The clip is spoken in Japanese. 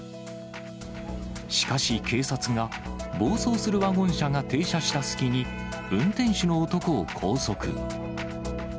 しかし警察が、暴走するワゴン車が停車した隙に、運転手の男を拘束。